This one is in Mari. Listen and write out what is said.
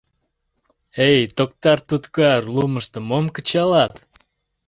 — Эй, Токтар-туткар, лумышто мом кычалат?